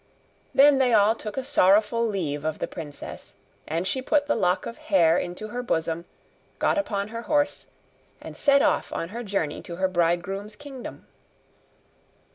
Then they all took a sorrowful leave of the princess; and she put the lock of hair into her bosom, got upon her horse, and set off on her journey to her bridegroom's kingdom.